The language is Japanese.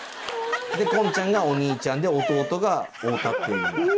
で近ちゃんがお兄ちゃんで弟が太田っていう。